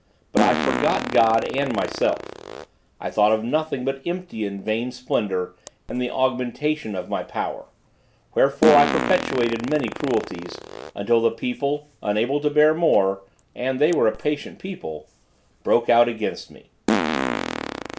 But I forgot God and myself; I thought of nothing but empty and vain splendor, and the augmentation of my power; wherefore I perpetrated many cruelties, until the people, unable to bear more, (and they were a patient people,) broke out against me.